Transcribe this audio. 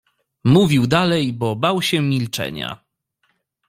Mówił dalej, bo bał się milczenia.